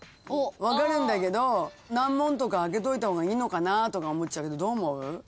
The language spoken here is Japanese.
分かるんだけど難問とかあけといた方がいいのかなとか思っちゃうけどどう思う？